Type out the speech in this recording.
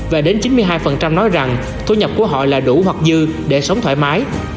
và đến chín mươi hai nói rằng thu nhập của họ là đủ hoặc dư để sống thoải mái